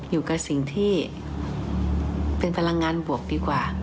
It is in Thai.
อยู่กับสิ่งที่เป็นพลังงานบวกดีกว่า